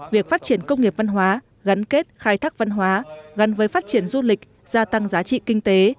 việc phát triển công nghiệp văn hóa gắn kết khai thác văn hóa gắn với phát triển du lịch gia tăng giá trị kinh tế